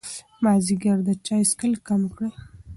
مازدیګر د چای څښل کم کړئ.